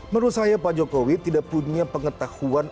menurut saya pak jokowi tidak punya pengetahuan